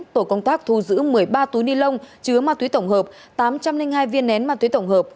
tổ công tác thu giữ một mươi ba túi ni lông chứa ma túy tổng hợp tám trăm linh hai viên nén ma túy tổng hợp